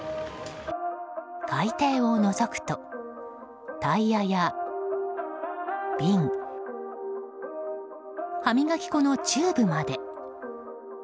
海底をのぞくとタイヤや瓶歯磨き粉のチューブまで。